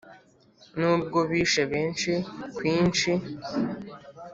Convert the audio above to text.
N’ubwo bishe benshi kwinshi,